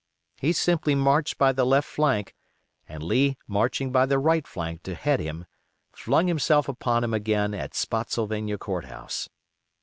He simply marched by the left flank, and Lee marching by the right flank to head him, flung himself upon him again at Spottsylvania Court House.